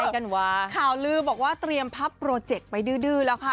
ข่าวลือบอกว่าเตรียมพับโปรเจกต์ไปดื้อแล้วค่ะ